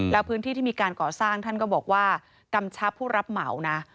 แล้วพื้นที่ที่มีการก่อสร้างท่านก็บอกว่ากำชับผู้รับเหมานะ